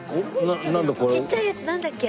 ちっちゃいやつなんだっけ？